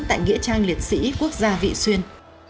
tại nghĩa trang liệt sĩ quốc gia vị xuyên